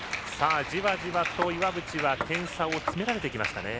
じわじわと岩渕は点差を詰められてきましたね。